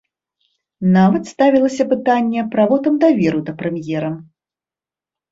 Нават ставілася пытанне пра вотум даверу да прэм'ера.